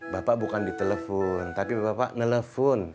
bapak bukan di telepon tapi bapak nelfon